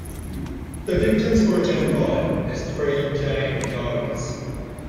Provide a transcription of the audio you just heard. The victims were identified as three Jane Does.